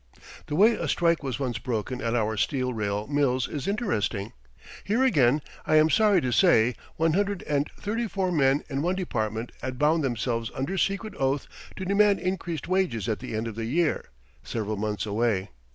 The way a strike was once broken at our steel rail mills is interesting. Here again, I am sorry to say, one hundred and thirty four men in one department had bound themselves under secret oath to demand increased wages at the end of the year, several months away.